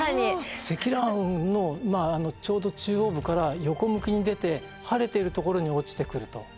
積乱雲のちょうど中央部から横向きに出て晴れているところに落ちてくると。